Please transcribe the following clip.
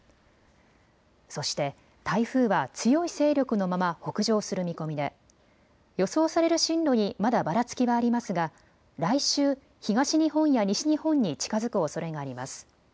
そして台風は強い勢力のまま北上する見込みで予想される進路にまだばらつきはありますが来週、東日本や西日本に近づくおそれがあります。